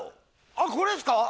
あっこれですか？